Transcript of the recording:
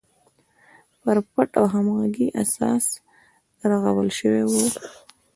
پر پټ او همغږي اساس رغول شوې وه.